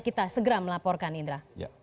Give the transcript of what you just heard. kita segera melaporkan indra